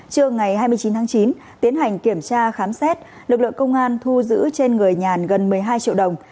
trưa ngày hai mươi chín tháng chín tiến hành kiểm tra khám xét lực lượng công an thu giữ trên người nhàn gần một mươi hai triệu đồng